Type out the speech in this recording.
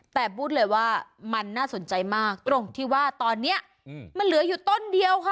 แต่พูดเลยว่ามันน่าสนใจมากตรงที่ว่าตอนนี้มันเหลืออยู่ต้นเดียวค่ะ